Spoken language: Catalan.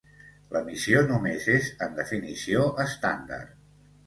L'emissió només és en definició estàndard.